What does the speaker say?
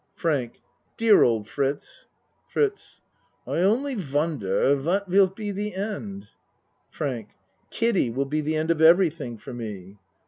FRANK Dear old Fritz! FRITZ I only wonder wat vill be de end. FRANK Kiddie will be the end of everything for me.